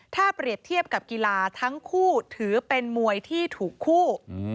ถ้าเปรียบเทียบกับกีฬาทั้งคู่ถือเป็นมวยที่ถูกคู่